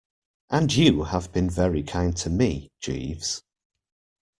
And you have been very kind to me, Jeeves.